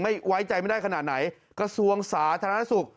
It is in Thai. ไว้ไว้ใจไม่ได้ขนาดไหนกระทรวงสาธารณสุข